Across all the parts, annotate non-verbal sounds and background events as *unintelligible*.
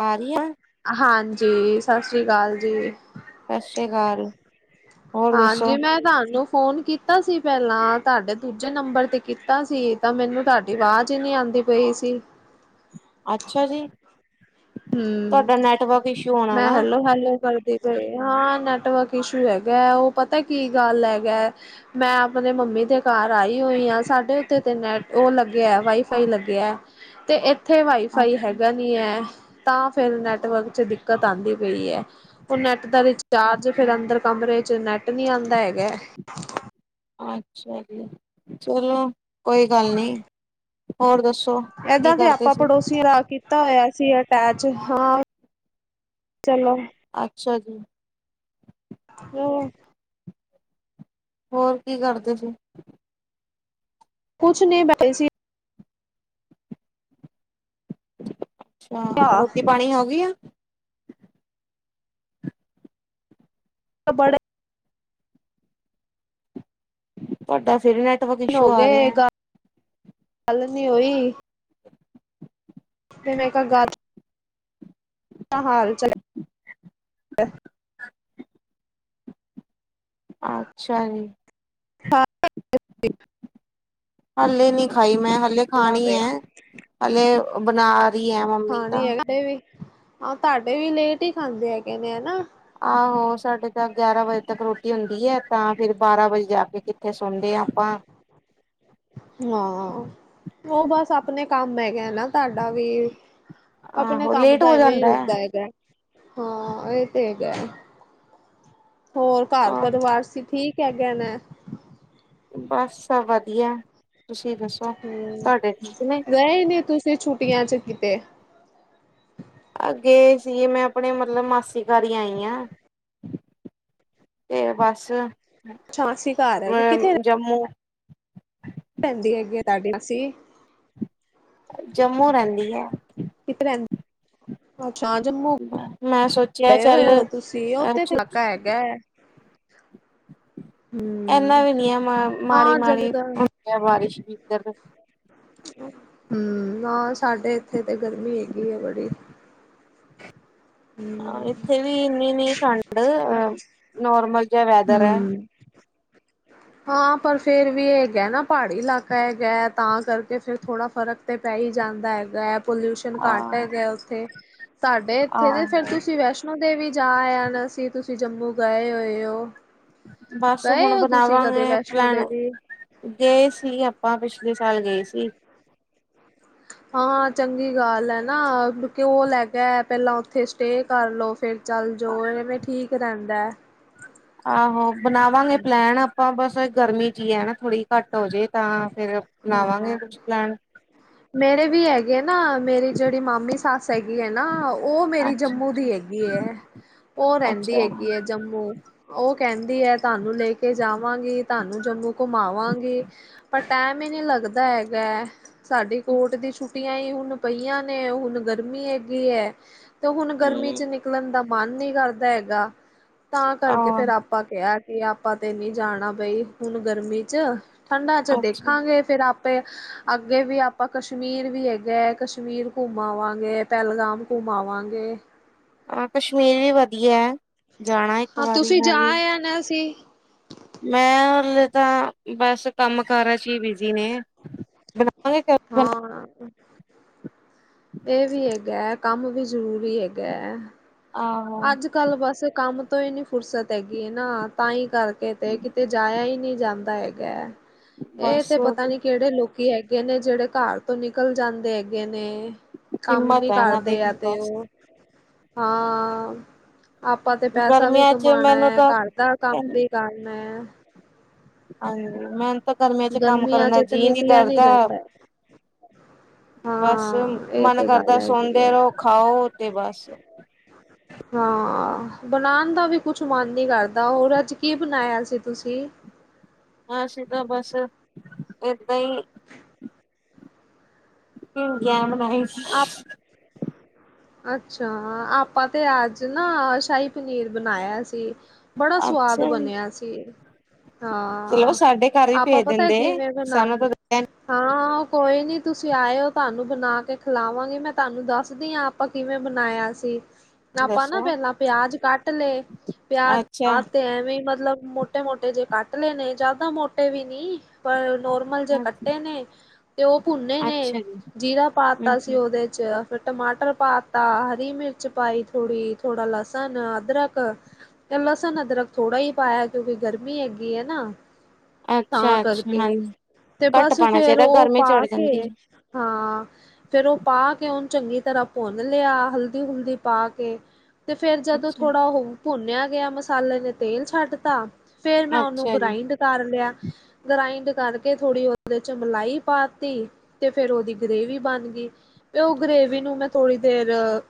ਆ ਰਹੀ ਆ? ਹਾਂਜੀ, ਸਸ ਸ਼੍ਰੀ ਕਾਲ ਜੀ। ਸਸ ਸ਼੍ਰੀ ਅਕਾਲ। ਹੋਰ ਦੱਸੋ ਹਾਂਜੀ, ਮੈਂ ਤੁਹਾਨੂੰ ਫੋਨ ਕੀ ਤਾ ਸੀ ਪਹਿਲਾਂ, ਤੁਹਾਡੇ ਦੂਜੇ ਨੰਬਰ ਤੇ ਕੀਤਾ ਸੀ, ਤਾਂ ਮੈਨੂੰ ਤੁਹਾਡੀ ਆਵਾਜ਼ ਹੀ ਨੀ ਆਂਦੀ ਪਈ ਸੀ। ਅੱਛਾ ਜੀ? ਹੂੰ। ਤੁਹਾਡਾ ਨੈਟਵਰਕ ਇਸ਼ੂ ਹੋਣਾ ਮੈਂ ਨਾ ਹੈਲੋ, ਹੈਲੋ ਕਰ ਦੀ ਪਈ। ਹਾਂ, ਨੈਟਵਰਕ ਇਸ਼ੂ ਹੈਗਾ ਐ, ਉਹ ਪਤਾ ਕੀ ਗੱਲ ਹੈਗਾ ਐ, ਮੈਂ ਆਪਣੇ ਮੰਮੀ ਦੇ ਘਰ ਆਈ ਹੋਈ ਹਾਂ, ਸਾਡੇ ਓਥੇ ਤੇ ਨੈਟ ਉਹ ਲੱਗਿਆ ਵਾਈ ਫਾਈ ਲੱਗਿਆ। ਤੇ ਇ ਉੱਥੇ ਵਾਈਫਾਈ ਹੈਗਾ ਅੱਛਾ ਨੀ ਐ ਤਾਂ ਫਿਰ ਨੈਟਵਰਕ ਚ ਦਿੱਕਤ ਆਂਦੀ ਪਈ ਐ ਉਹ ਨੈਟ ਦਾ ਰਿਚਾਰਜ ਫਿਰ ਅੰਦਰ ਕਮਰੇ ਚ ਨੈਟ ਨੀ ਆਂਦਾ ਹੈਗੈ।। ਅੱਛਾ ਜੀ ਚਲੋ ਕੋਈ ਗੱਲ ਨੀ, ਹੋਰ ਦਸੋ? ਏਦਾਂ ਦੇ ਆਪਾਂ ਪੜੋਸ ਤੁਸੀ ਰਾ ਕੀਤਾ ਹੋਇਆ ਸੀ ਅਟੈਚ, ਹਾਂ ਚਲੋ। ਅੱਛਾ ਜੀ। *unintelligible* ਹੋਰ ਕੀ ਕਰਦੇ ਸੀ? ਕੁਛ ਨੀ ਬਠੇ ਸੀ। ਹਾਂ ਤੇ ਰੋਟੀ ਪਾਣੀਯਾ ਹੋਗੀ ਯਾ। ਤ ਬੜੇ ਤੁਆਡਾ ਫਿਰ ਏ ਨ ਹੋ ਗਏ ਗੱਲ, ਗੱਲ ਨੀ ਹੋਈ ਤੇ ਮੈਂ ਕਲ ਗਾਲ ਤਾ ਹਾਲ ਚਲ ਅੱਛਾ ਜੀ। ਹਾਂ *unintelligible* ਹੱਲੇ ਨੀ ਖਾਈ ਮੈਂ, ਹੱਲੇ ਚੱਲਦਾ ਖਾਣੀ ਪਿਆ ਐ ਹੱਲੇ ਬਣਾ ਰਹੀ ਹੈ ਮੰਮੀ ਤਾਂ ਖਾਣੀ ਹੈ ਕ ਵੀ, ਆ ਤਾਡੇ ਵੀ ਲੇਟ ਹੀ ਖਾਂਦੇ ਹੈਗੇ ਨੇ ਹਨਾ। ਆਹੋ ਸਾਡੇ ਤਾ ਗਯਾਰਾਂ ਵਜੇ ਤੱਕ ਰੋਟੀ ਹੁੰਦੀ ਐ ਤਾਂ ਫਿਰ ਬਾਰਾਂ ਵਜੇ ਜਾ ਕੇ ਕਿੱਥੇ ਸੌਦੇ ਆ ਆਪਾਂ। ਹਾਂ, ਉਹ ਬਸ ਆਪਣੇ ਕੰਮ ਹੈਗਾ ਨਾ ਤਾਡਾ ਵੀ। ਆਪਣੇ ਆਹੋ ਕੰਮ ਲੇਟ ਦਾ ਹੋ ਐਵੇਂ ਈ ਜਾਂਦਾ ਹੈ ਹੁੰਦਾ ਹੈਗੈ। ਹਾਂ ਇਹ ਤੇ ਹੈਗਾ, ਹੋਰ ਘਰ ਹਾਂ ਪਰਿਵਾਰ ਸੀ ਠੀਕ? ਕਯਾ ਕਹਣਾ ਐ। ਬਸ ਸਭ ਵਧੀਯਾ, ਤੁਸੀ ਦੱਸੋ ਹਮ ਤਹਾਡੇ ਠੀਕ ਨੇ? ਗਏ ਨੀ ਤੁਸ ਤੇ। ਫਿਰ ਛੁਟੀਆਂ 'ਚ ਕਿਤੇ? ਅੱਗੇ ਸੀਗੇ ਮੈਂ ਆਪਣੇ ਮਤਲਬ ਮਾਸੀ ਘਰ ਈ ਆਈ ਯਾ। ਤੇ ਬਸ। ਛਾਸੀ ਘਰ ਹੈਗੇ ਕਿੱਥੇ? ਜੰਮੂ। ਪੈਨ ਜੀ ਹੈਗੀ ਏ ਤਾਡੀ ਅਸੀ। ਜੰਮੂ ਰਹਿਦੀ ਐ। ਕਿੱਥੇ ਰਹੰਦੀ? ਅੱਛਾ ਜੰਮੂ। ਮੈਂ ਸੋਚ ਗਏ ਹੋਏ ਹੋ ਤੁਸੀਂ ਉਥੇ ਥਾਕਾ ਹੈਗੈ। ਏਨਾ ਹਮ ਵੀ ਨੀ ਆ ਮਾੜਾ, ਮਾੜੀ ਹਾਂ ਮਾੜੀ ਜੰਮਦਾ ਹੁੰਦੀ ਏ ਬਾਰਿਸ਼ ਏਧਰ। ਹਮ ਨਾ ਸਾਡੇ ਇੱਥੇ ਤੇ ਗਰਮੀ ਹੈਗੀ ਏ ਬੜੀ। ਹਮ ਏਥੇ ਵੀ ਇੰਨੀ ਨੀ ਠੰਡ ਨੋਰਮਲ ਜੇਹਾ ਵੈਦਰ ਹੈ। ਹਮ ਹਾਂ ਪਰ ਫੇਰ ਵੀ ਇਹ ਹੈਗਾ ਨਾ ਪਹਾੜੀ ਇਲਾਕਾ ਹੈਗੈ ਤਾਂ ਕਰਕੇ ਫਿਰ ਥੋੜ੍ਹਾ ਫਰਕ ਤੇ ਪੈ ਹੀ ਜਾਂਦਾ ਹੈਗਾ ਐ। ਪੋਲਯੂਸ਼ਨ ਘੱਟ ਆਹ ਹੈਗੇ ਉਥੇ, ਸਾਡੇ ਇੱਥੇ ਤੇ ਫੇਰ ਆਹੋ ਤੁਸੀਂ ਵੈਸ਼ ਨੋ ਦੇਵੀ ਜਾ ਆਣਾ ਸੀ ਤੁਸੀਂ ਜੰਮੂ ਗਏ ਹੋਏ ਯੋ। ਬਸ ਹੁਣ ਬਣਾਵਾਂਗੇ ਵੈਸ਼ਨੋ ਪਲੈਨ। ਦੇਵੀ ਗਏ ਸੀ ਆਪਾਂ, ਪਿਛਲੇ ਸਾਲ ਗਏ ਸੀ। ਹਾਂ ਚੰਗੀ ਗੱਲ ਹੈ ਨਾ, ਕਿਉਂ ਲ਼ੈ ਕੇ ਆਇਆਂ ਪਹਿਲਾਂ ਉੱਥੇ ਸਟੇ ਕਰ ਲਓ। ਫਿਰ ਚੱਲ ਜ਼ੋ, ਐਵੇਂ ਠੀਕ ਰਹਿੰਦਾਂ ਐਂ। ਆਹੋ, ਬਣਾਵਾਂਗੇ ਪਲੈਨ ਆਪਾਂ ਬਸ ਗਰਮੀ ਜੀਅ ਹੈਂ, ਨਾ ਥੋੜੀ ਘੱਟ ਹੋ ਜੇ ਤਾਂ ਫਿਰ ਹਾਂ। ਬਣਾਵਾਂਗੇ ਕੁਛ ਪਲੈਨ ਮੇਰੇ ਵੀ ਹੈਗੇ ਨਾ, ਮੇਰੀ ਜਿਹੜੀ ਮਾਮੀ ਸੱਸ ਹੈਗੀ ਹੈਂ ਨਾ ਉਹ ਮੇਰੀ ਅੱਛਾ ਜੰਮੂ ਦੀ ਹੈਗੀ ਐਂ, ਉਹ ਅੱਛਾ ਰਹਿੰਦੀ ਹੂੰ ਹੈਗੀ ਹੈ। ਜੰਮੂ ਉਹ ਕਹਿੰਦੀ ਹੈ, ਤੁਹਾਂਨੂੰ ਲੇ ਕੇ ਜਾਵਾਂਗੀ। ਤੁਹਾਂਨੂੰ ਜੰਮੂ ਘੁਮਾਵਾਂਗੀ। ਪਰ ਟੈਮ ਹੀ ਨੀਂ ਲੱਗਦਾ ਹੈਗਾ ਐਂ। ਸਾਡੀ ਕੋਰਟ ਦੀ ਛੁੱਟੀਆਂ ਈ ਹੁਣ ਪਈਆਂ ਨੇਂ, ਹੁਣ ਗਰਮੀ ਹੈਗੀ ਐਂ। ਤੇ ਹੁਣ ਗਰਮੀਂ ਚ ਨਿਕਲਣ ਦਾ ਮਨ ਨੀਂ ਕਰਦਾਂ ਹੈਗਾ, ਤਾਂ ਆ ਕਰਕੇ ਫਿਰ ਆਪ ਆਪਾਂ ਕਿਹਾਂ ਕਿ ਆਪਾਂ ਤੇ ਨੀਂ ਜਾਣਾਂ ਬਈ, ਹੁਣ ਗਰਮੀ ਚ ਠੰਡਾਂ ਚ ਦੇਖ ਅੱਛਾ ਤੇ ਫਿਰ ਆਪੇ ਅੱਗੇ ਵੀ ਆਪਾਂ ਕਸ਼ਮੀਰ ਵੀ ਹੈਗਾ ਐਂ, ਕਸ਼ਮੀਰ ਘੁੰਮਾਵਾਂਗੇ ਪਹਿਲਗਾਮ ਘੁੰਮਾਵਾਂਗੇ ਏਂ। ਹਾਂ, ਕਸ਼ਮੀਰ ਵੀ ਵਧੀਆਂ ਹੈਂ, ਜਾਣਾ ਇੱਕ ਵਾਰੀਂ ਮੈਂ ਵੀ ਭੈਣ ਨਾ ਰੁੱਸੀ। ਮੈਂ ਹਲੇ ਤਾਂ, ਬਸ ਕੰਮ ਕਾਰਾਂ ਚ ਹੀ ਬਿਜ਼ੀ ਨੇ। ਬਣਾਵਾਂਗੇ *unintelligible* ਹਾਂ। ਏਵੀ ਹੈਗਾ ਐ, ਕੰਮ ਵੀ ਜ਼ਰੂਰੀ ਹੈਗਾ ਐ। ਆਹੋ। ਕੱਲ ਵਸੇ ਕੰਮ ਤੋਂ ਹੀ ਨੀ ਫ਼ੁਰਸਤ ਹੈਗੀ ਨਾ, ਤਾਂਹੀ ਕਰਕੇ ਤੇ ਤੇ ਜਾਇਆਂ ਹੀ ਨਹੀ ਜਾਂਦਾ ਹੈਗਾ ਐ, ਇਹ ਬਸ ਤੇ ਪਤਾਂ ਨੀ ਕਿਹੜੇ ਲੋਕ ਕੀ ਹੈਗੇ ਨੇਂ ਜਿਹੜੇ ਘਰ ਤੋਂ ਨਿਕਲ ਜਾਂਦੇ ਹੈਗੇ ਨੇ ਕੰਮ ਹਿੰਮਤ ਨੀਂ ਹੈ ਇਹਨਾਂ ਕਰਦੇ ਦੀ ਜਾਂ ਵੀ ਤੇ ਬਸ ਓ, ਹਾਂ ਆਪਾਂ ਤੇ ਪੈਸਾ ਵੀ ਗਰਮੀਆਂ ਚ ਕਮਾਣਾ ਮੈਨੂੰ ਐ, ਤਾਂ ਘਰ ਦਾ ਕੰਮ ਵੀ ਕਰਨਾਂ ਐ। ਹਾਂਜੀ ਮੈਂਨੂੰ ਤਾਂ ਗਰਮੀਆਂ ਚ ਕੰਮ ਕਰਨ ਦਾ ਚ ਤੇ ਜੀਅ ਨੀ ਨਿਕਲਿਆ ਕਰਦਾ। ਜਾਂਦਾ ਬਸ ਹਾਂ ਇਹ ਮਨ ਤੇ ਕਰਦਾਂ ਗੱਲ ਹੈਗੀ ਸੋਦੇ ਹੈ। ਰਹੋਂ, ਖਾਓ ਤੇ ਬਸ। *inaudible* ਹਾਂ, ਬਣਾਣ ਦਾ ਵੀ ਕੁੱਛ ਮਨ ਨੀਂ ਕਰਦਾਂ, ਹੋਰ ਅੱਜ਼ ਕੀ ਬਣਾਇਆਂ ਸੀ ਤੁਸੀਂ। ਅਸੀਂ ਤਾਂ ਬਸ ਏਦਾਂ ਈ ਭਿੰਡੀਆਂ ਹਮ ਬਣਾਈ *inaudible* ਅੱਛਾ, ਆਪਾਂ ਤੇ ਅੱਜ਼ ਨਾ ਸ਼ਾਹੀ ਪਨੀਰ ਬਣਾਇਆਂ ਸੀਂ। ਬੜਾਂ ਸਵਾਦ ਅੱਛਾ ਜੀ ਬਣਿਆਂ ਸੀ। ਚਲੋ ਹਾਂ, ਸਾਡੇ ਘਰ ਵੀ ਆਪਾਂ ਭੇਜ ਪਤਾਂ ਦਿੰਦੇ ਕਿਵੇਂ ਸਾਨੂੰ ਬਣਾਦੇ ਤਾਂ ਹਾਂ ਕੋਈ ਨੀਂ ਤੁਸੀਂ ਆਇਓ ਤੁਹਾਂਨੂੰ ਬਣਾਂ ਕੇ ਖਿਲਾਵਾਂਗੀ, ਮੈਂ ਤੁਹਾਂਨੂੰ ਦੱਸਦੀ ਆਂ ਆਪਾਂ ਕਿਵੇਂ ਬਣਾਇਆਂ ਸੀ। ਆਪਾਂ ਨਾ ਦੱਸੋ ਪਹਿਲਾਂ ਪਿਆਜ਼ ਕੱਟ ਲੇ, ਪਿਆਜ ਅੱਛਾ ਪਾਤੇ ਐਵੇ ਮਤਲਬ ਮੋਟ ਮੋਟੇ- ਮੋਟੇ ਜੇ ਕੱਟ ਲੇ ਨੇ ਜ਼ਿਆਦਾ ਮੋਟੇ ਵੀ ਨੀਂ ਪਰ ਨੋਰਮਲ ਜੇ ਕੱਟੇ ਨੇ ਤੇ ਉਹ ਭੁੰਨੇ ਨੇਂ, ਅੱਛਾ ਜੀ ਜੀਰਾ ਪਾ ਹੂੰ ਤਾਂ ਸੀ ਉਹ ਉਹਦੇ ਚ ਫਿਰ ਟਮਾਟਰ ਪਾ ਤਾਂ ਹਰੀ ਮਿਰਚ ਪਾਈ ਥੋੜੀ ਥੋੜਾ ਲਸਣ ਅਦਰਕ ਤੇ ਲਸਣ ਅਦਰਕ ਥੋੜ੍ਹਾ ਹੀ ਪਾਇਆਂ, ਕਿਉਕਿ ਗਰਮੀ ਹੈਗੀ ਐ ਨਾ ਤਾਂ ਅੱਛਾ ਅੱਛਾ ਕਰਕੇ, ਹਾਂਜੀ ਤੇ ਘੱਟ ਬਸ ਪਾਉਣਾ ਫ਼ਿਰ ਚਾਹੀਦਾ ਉਹ ਗਰਮੀ ਪਾ ਚੜ ਜਾਂਦੀ ਕੇ ਹੈ ਹਾਂ। ਫੇਰ ਉਹ ਪਾ ਕੇ ਉਨ ਚੰਗੀ ਤਰ੍ਹਾਂ ਭੁੰਨ ਲਿਆ ਹਲਦੀ ਹੁਲਦੀ ਪਾ ਕੇ- ਤੇ ਫੇਰ ਜਦੋ ਅੱਛਾ ਥੋੜ੍ਹਾ ਹੋਰ ਭੁੰਨਿਆ ਗਿਆ ਮਸਾਲੇ ਨੇ ਤੇਲ ਛੱਡ ਤਾ। ਫੇਰ ਮੈ ਉਹਨੂੰ ਅੱਛਾ ਜੀ ਗਰਾਇੰਡ ਕਰ ਲਿਆ ਗ੍ਰਾਇੰਡ ਕਰਕੇ ਥੋੜ੍ਹੀ ਉਹਦੇ ਚ ਮਲਾਈ ਪਾਤੀ- ਤੇ ਫੇਰ ਉਹਦੀ ਗ੍ਰੇਵੀ ਬਣ ਗਈ ਤੇ ਉਹ ਗ੍ਰੇਵੀ ਨੂੰ ਮੈ ਥੋੜ੍ਹੀ ਦੇਰ-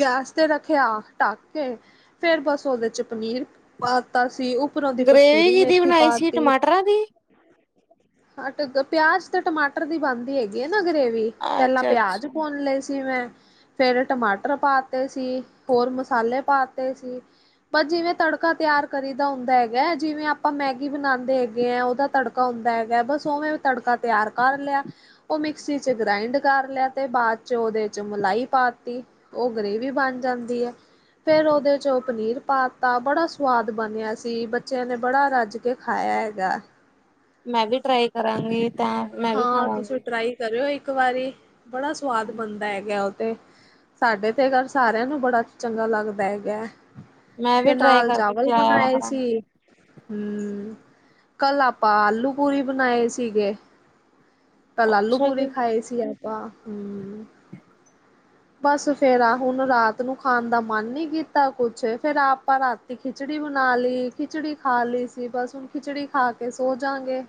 ਗੈਸ ਤੇ ਰੱਖਿਆ ਢੱਕ ਕੇ- ਫੇਰ ਬਸ ਉਹਦੇ ਚ ਪਨੀਰ ਪਾਤਾ ਸੀ। ਉਪਰੋ ਦੀ ਗ੍ਰੇਵੀ ਕਸਤੂਰੀ ਕਿਦੀ ਮੇਥੀ ਬਣਾਈ ਸੀ ਪਾਤੀ- ਟਮਾਟਰਾਂ ਦੀ ਹਟ ਪਿਆਜ ਤੇ ਟਮਾਟਰ ਦੀ ਬਣਦੀ ਹੈਗੀ ਏ ਨਾ ਗ੍ਰੇਵੀ ਪਹਿਲਾ ਅੱਛਾ ਪਿਆਜ ਅੱਛਾ ਭੁਨ ਲੇ ਸੀ ਮੈ ਫੇਰ ਟਮਾਟਰ ਪਾ- ਤੇ ਸੀ ਹੋਰ ਮਸਾਲੇ ਪਾਤੇ ਸੀ। ਪਰ ਜਿਵੇ ਤੜਕਾ ਤਿਆਰ ਕਰੀ ਦਾ ਹੁੰਦਾ ਹੈਗੈ ਜਿਵੇ ਆਪਾਂ ਮੈਗੀ ਬਣਾਂਦੇ ਹੈਗੇ ਆ ਉਹਦਾ ਤੜਕਾ- ਤੜਕਾ ਹੁੰਦਾ ਹੈਗੈ ਬਸ ਉਵੇ ਤੜਕਾ ਤਿਆਰ ਕਰ ਲਿਆ। ਉਹ ਮਿਕਸੀ ਚ ਗਰਾਇੰਡ ਕਰ ਲਿਆ ਤੇ ਬਾਅਦ ਚ ਉਹਦੇ ਚ ਮਲਾਈ ਪਾਤੀ- ਉਹ ਗ੍ਰੇਵੀ ਬਣ ਜਾਂਦੀ ਐ। ਫੇਰ ਉਹਦੇ ਚੋਂ ਪਨੀਰ ਪਾਤਾ ਬੜਾ ਸੁਆਦ ਬਣਿਆ ਸੀ ਬੱਚਿਆਂ ਨੇ ਬੜਾ ਰੱਜ- ਕੇ ਖਾਇਆ ਹੈਗਾ ਮੈ ਵੀ ਟਰਾਈ ਕਰਾਂਗੀ ਤਾਂ- ਮੈਂ ਵੀ ਹਾਂ ਤੁਸੀ ਖਾਵਾਂਗੀ ਟਰਾਈ ਕਰਿਓ ਇਕ ਵਾਰੀ ਬੜਾ ਸੁਆਦ ਬਣਦਾ ਹੈਗੈ ਉਹ ਤੇ- ਸਾਡੇ ਤੇ ਘਰ ਸਾਰਿਆਂ ਨੂੰ ਬੜਾ ਚੰਗਾ ਲੱਗਦਾ ਹੈਗੈ। ਮੈਂ ਵੀ ਤੇ ਟਰਾਈ ਨਾਲ ਕਰਕੇ ਚਾਵਲ ਖਿਲਾਇਆ ਵਾ ਬਣਾਏ ਸੀ। ਕਰਾਂਗੀ। ਹੂੰ ਕਲ ਆਪਾਂ ਆਲੂ ਪੂਰੀ ਬਣਾਏ ਸੀਗੇ। ਕਲ ਆਲੂ ਅੱਛਾ ਜੀ। ਪੂਰੀ ਖਾਏ ਸੀ ਆਪਾਂ ਹੂੰ - ਬਸ ਫੇਰ ਆ ਹੁਣ ਰਾਤ ਨੂੰ ਖਾਣ ਦਾ ਮਨ ਨੀ ਕੀਤਾ ਕੁਛ ਫੇਰ ਆਪਾਂ ਰਾਤ- ਤੇ ਖਿਚੜੀ ਬਣਾ ਲੀ ਖਿਚੜੀ ਖਾ ਲੀ ਸੀ ਬਸ ਹੁਣ ਖਿਚੜੀ ਖਾ ਕੇ ਸੋ ਜਾਂਗੇ।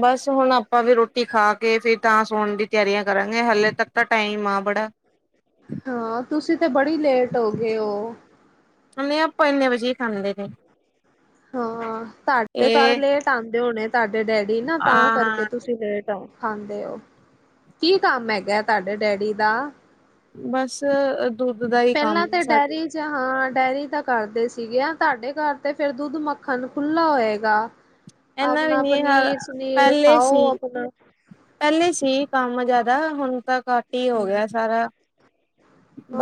ਬਸ ਹੁਣ ਆਪਾਂ ਵੀ ਰੋਟੀ ਖਾ ਕੇ ਫਿਰ ਤਾਂ ਸੋਣ ਦੀ ਤਿਆਰੀਆਂ ਕਰਾਂਗੇ ਹਲੇੇ ਤਕ ਤਾਂ ਟਾਈਮ ਆ ਬੜਾ- ਹਾਂ ਤੁਸੀ ਤੇ ਬੜੀ ਲੇਟ ਹੋ ਗਏ ਹੋ। ਨਹੀ ਆਪਾਂ ਇਨੇ ਵਜੇ ਈ ਖਾਂਦੇ ਨੇ- ਹਾਂ ਤਾਡੇ ਘਰ ਇਹ ਲੇਟ ਆਂਦੇ ਹੋਣੇ ਤਾਡੇ ਡੈਡੀ ਨਾ ਤਾਂ ਕਰਕੇ ਆ ਤੁਸੀ ਲੇਟ- ਖਾਦੇ ਹੋ ਕੀ ਕੰਮ ਹੈਗੈ ਤਾਡੇ ਡੈਡੀ ਦਾ- ਬਸ- ਦੁੱਧ ਦਾ ਹੀ ਕੰਮ ਪਹਿਲਾਂ ਹੈ ਤੇ ਸਾਡੇ ਡੈਡੀ- ਹਾਂ ਡੈਰੀ ਤਾਂ ਕਰਦੇ ਸੀਗੇ ਆ ਤਾਡੇ ਘਰ ਤੇ ਫੇਰ ਦੁੱਧ ਮੱਖਣ ਖੁੱਲਾ ਹੋਏਗਾ। ਇਨਾ ਵੀ ਆਪਣਾ ਨੀ ਹਾਲ ਪਨੀਰ ਸਨੀਰ ਪਹਿਲੇ ਖਾਓ ਸੀ ਆਪਣਾ- ਪਹਿਲੇ ਸੀ ਕੰਮ ਜਿਆਦਾ ਹੁਣ ਤਾਂ ਘੱਟ ਹੀ ਹੋ ਹਮ, ਗਿਐ ਸਾਰਾ।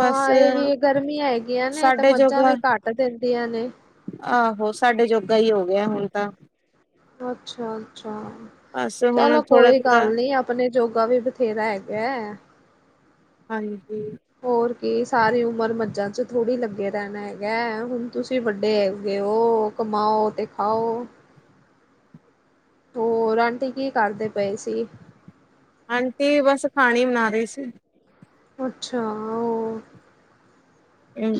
ਬਸ ਇਹ ਵੀ ਗਰਮੀਆਂ ਹੈਗੀਆਂ ਨੇ ਤੇ ਸਾਡੇ ਮੱਝਾਂ ਜੋਗਾ ਵੀ ਘੱਟ ਦਿੰਦੀਆਂ ਨੇ- ਆਹੋ ਸਾਡੇ ਜੋਗਾ ਹੀ ਹੋ ਗਿਐ ਹੁਣ ਤਾਂ- ਅੱਛਾ ਅੱਛਾ ਬਸ ਹੁਣ ਚਲੋ ਥੋੜਾ ਕੋਈ ਥੋੜਾ ਗੱਲ ਨੀ‌ ਅਪ ਆਪਣੇ ਜੋਗਾ ਵੀ ਬਥੇਰਾ ਹੈਗੈ। ਹਾਂਜੀ ਹੋਰ ਕੀ ਸਾਰੀ ਉਮਰ ਮੱਝਾਂ ਚ ਥੋੜ੍ਹੀ ਲੱਗੇ ਰਹਿਣੈ ਹੈਗੈ ਹੁਣ ਤੁਸੀਂ ਵੱਡੇ ਹੈਗੈ ਓ। ਕਮਾਓ ਤੇ ਖਾਓ ਹੋਰ ਆਂਟੀ ਕੀ ਕਰਦੇ ਪਏ ਸੀ ਆਂਟੀ ਬਸ ਪਾਣੀ ਬਣਾ ਰਹੀ ਸੀ। ਅੱਛਾ ਆਹੋ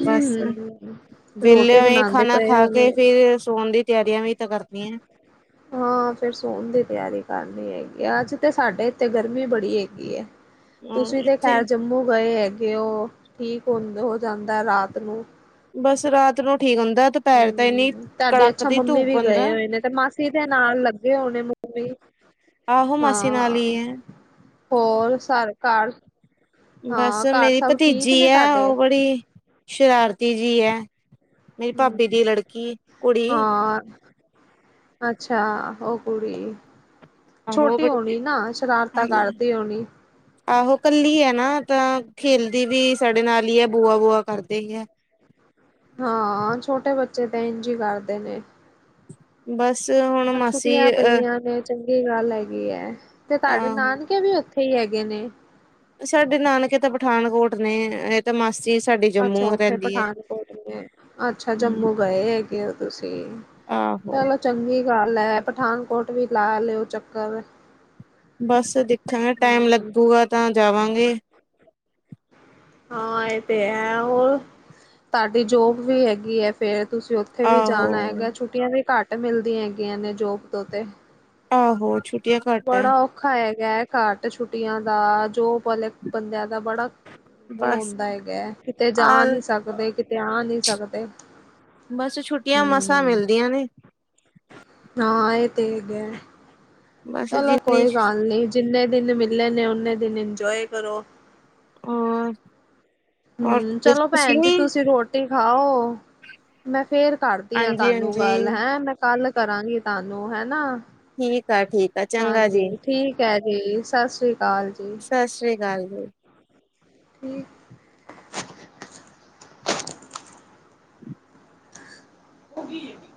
ਬਸ, ਵਿਹਲੇ ਹੋਏ ਬਣਾਉਂਦੇ ਖਾਣਾ ਪਏ ਖਾ ਉਹਨੇ ਕੇ ਫਿਰ ਸੋਣ ਦੀ ਤਿਆਰੀਆਂ ਵਿਚ ਕਰਦੀ ਆ। ਹਾਂ ਫੇਿਰ ਸੋਣ ਦੀ ਤਿਆਰੀ ਕਰ ਲਈ ਹੈਗੀ ਆ। ਅੱਜ ਤੇ ਸਾਡੇ ਇੱਥੇ ਗਰਮੀ ਬੜੀ ਹੈਗੀ ਆ। ਹਮ ਤੁਸੀਂ ਤੇ ਇੱਥੇ ਖੈਰ ਜੰਮੂ ਗਏ ਹੈਗੇ ਹੋ ਠੀਕ ਹੋ ਜਾਂਦਾ ਰਾਤ ਨੂੰ। ਬਸ ਰਾਤ ਨੂੰ ਠੀਕ ਹੁੰਦਾ। ਦੁਪਹਿਰ ਤਾਂ ਇੰਨੀ ਹਮ ਤੁਹਾਡੀ ਕੜਕ ਅੱਛਾ ਦੀ ਮੰਮੀ ਧੂਪ ਵੀ ਹੁੰਦਾ। ਗਏ ਹੋਏ ਨੇ ਤੇ ਮਾਸੀ ਦੇ ਨਾਲ ਲੱਗੇ ਹੋਣੇ ਮੂੰ ਕੋਈ। ਆਹੋ ਮਾਸੀ ਨਾਲ ਹਾਂ। ਹੀ ਹੈ ਹੋਰ, ਸਾਰੇ ਘਰ। ਬਸ ਹਾਂ ਘਰ ਮੇਰੀ ਸਭ ਠੀਕ ਭਤੀਜੀ ਨੇ ਹੈ, ਤੁਹਾਡੇ? ਉਹ ਬੜੀ ਸ਼ਰਾਰਤੀ ਜੀ ਹੈ। ਮੇਰੀ ਭਾਬੀ ਦੀ ਲੜਕੀ, ਕੁੜੀ। ਹਾਂ। ਅੱਛਾ। ਉਹ ਕੁੜੀ। ਆਹੋ ਛੋਟੀ ਬੜੀ ਹੋਣੀ ਨਾ, ਸ਼ਰਾਰਤਾਂ ਕਰਦੀ ਹੋਣੀ। ਆਹੋ ਕੱਲੀ ਹੈ ਨਾ, ਤਾਂ ਖੇਲਦੀ ਵੀ ਸਾਡੇ ਨਾਲ ਹੀ ਹੈ ਬੂਆ- ਬੂਆ ਕਰਦੇ ਹੀ ਹੈ। ਹਾਂ। ਛੋਟੇ ਬੱਚੇ ਤਾਂ ਇੰਝ ਹੀ ਕਰਦੇ ਨੇ। ਬਸ ਹੁਣ ਮਾਸੀ ਛੁੱਟੀੀਆਂ ਅਹ ਪਈਆਂ ਤੇ। ਚੰਗੀ ਗੱਲ ਹੈਗੀ ਹੈ, ਤੇ ਤੁਹਾਡੇ ਆਹੋ ਨਾਨਕੇ ਵੀ ਉੱਥੇ ਹੀ ਹੈਗੇ ਨੇ। ਸਾਡੇ ਨਾਨਕੇ ਤਾਂ ਪਠਾਨਕੋਟ ਨੇ। ਤੇ ਮਾਸੀ ਸਾਡੀ ਅੱਛਾ, ਜੰਮੂ ਉੱਥੇ ਰਹਿੰਦੀ ਹੈ। ਪਠਾਨਕੋਟ ਨੇ। ਅੱਛਾ ਜੰਮੂ ਗਏ ਹੈਗੇ ਹੋ ਤੁਸੀਂ। ਆਹੋ! ਚਲੋ ਚੰਗੀ ਗੱਲ ਹੈ ਪਠਾਨਕੋਟ ਵੀ ਲਾ ਲਿਓ ਚੱਕਰ। ਬਸ ਦੇਖਾਂਗੇ ਟਾਈਮ ਲੱਗੂਗਾ ਤਾਂ ਜਾਵਾਂਗੇ। ਹਾਂ ਇਹ ਤੇ ਹੈ ਹੋਰ, ਤੁਹਾਡੀ ਜੋਬ ਵੀ ਹੈਗੀ ਹੈ ਫੇਰ ਤੁਸੀਂ ਉਥੇ ਕਿਤੇ ਵੀ ਆਹੋ ਜਾਣਾ ਹੈਗਾ ਛੁੱਟੀਆਂ ਵੀ ਘੱਟ ਮਿਲਦੀਆਂ ਹੈਗੀਆਂ ਨੇ ਜੋਬ ਉੱਤੇ। ਆਹੋ ਛੁਟ ਬੜਾ ਔਖਾ ਹੈਗਾ ਹੈ ਘੱਟ ਛੁੱਟੀਆਂ ਦਾ ਜੋ ਪਲ ਬੰਦਿਆਂ ਦਾ ਬੜਾ ਉਹ ਬਸ ਹੁੰਦਾ ਹੈਗਾ, ਕਿਤੇ ਜਾ ਆ ਨਹੀਂ ਸਕਦੇ ਕਿਤੇ ਆ ਨਹੀਂ ਸਕਦੇ। ਬਸ ਛੁੱਟੀਆਂ ਮਸਾਂ ਹਮ ਮਿਲਦੀਆਂ ਨੇ। ਹਾਂ, ਇਹ ਤੇ ਹੈਗਾ ਬਸ ਚਲੋ ਜਿੰਨੀ ਕੋਈ ਗੱਲ ਨੀ। ਜਿੰਨੇ ਦਿਨ ਮਿਲਲੇ ਨੇ ਉਨੇ ਦਿਨ ਇੰਜੋਏ ਕਰੋ। ਹੂੰ ਹੂ, ਚਲੋ ਭੈਣ ਜੀ ਤੁਸੀਂ ਰੋਟੀ ਖਾਓ। ਮੈਂ ਫੇਰ ਕਰਦੀ ਹਾਂਜੀ ਕਲ ਨੂੰ ਗੱਲ ਹਾਂਜੀ ਹੈਂ ਮੈਂ ਕੱਲ ਕਰਾਂਗੀ ਤੁਹਾਨੂੰ ਹੈਨਾ। ਠੀਕ ਆ, ਠੀਕ ਆ। ਚੰਗਾ ਜੀ। ਹਾਂਜੀ, ਠੀਕ ਹੈ ਜੀ ਸਤਿ ਸ਼੍ਰੀ ਅਕਾਲ ਜੀ। ਸਤਿ ਸ਼੍ਰੀ ਅਕਾਲ ਜੀ। ਠੀਕ। ਉਹ ਕੀ ਹੈਗੀ।